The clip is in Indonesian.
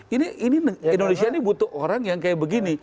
ini indonesia ini butuh orang yang kayak begini